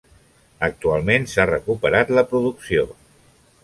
Actualment s'ha recuperat la producció.